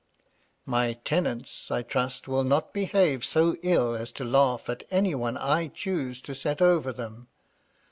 " My tenants, I trust, will not behave so ill as to laugh at any one I choose to set over them.